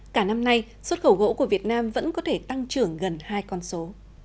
cả năm nay xuất khẩu gỗ của việt nam vẫn có thể tăng trưởng gần hai con số